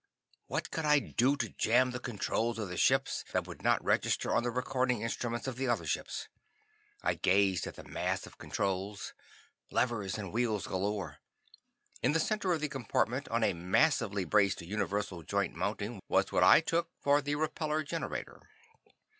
What could I do to jam the controls of the ships that would not register on the recording instruments of the other ships? I gazed at the mass of controls. Levers and wheels galore. In the center of the compartment, on a massively braced universal joint mounting, was what I took for the repellor generator.